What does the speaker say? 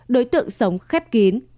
đối tượng sống khép kín